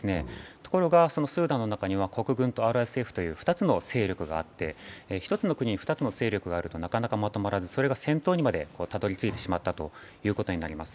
ところがスーダンの中には国軍とＲＳＦという２つの勢力があって、１つの国に２つの勢力があることでなかなかまとまらず、それが戦闘にまでたどりついてしまったということになります。